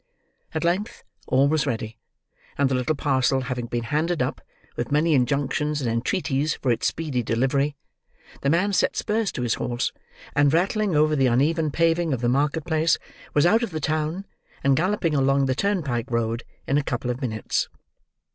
At length, all was ready; and the little parcel having been handed up, with many injunctions and entreaties for its speedy delivery, the man set spurs to his horse, and rattling over the uneven paving of the market place, was out of the town, and galloping along the turnpike road, in a couple of minutes.